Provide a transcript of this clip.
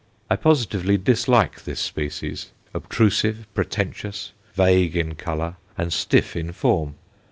I positively dislike this species, obtrusive, pretentious, vague in colour, and stiff in form.